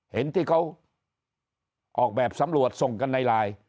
เห็นที่เขาออกแบบสำรวจส่งกันในไลน์